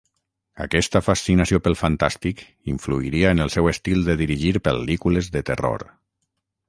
Aquesta fascinació pel fantàstic influiria en el seu estil de dirigir pel·lícules de terror.